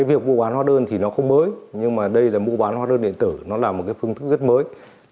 việc mua bán hóa đơn thì nó không mới nhưng mà đây là mua bán hóa đơn điện tử nó là một phương thức rất mới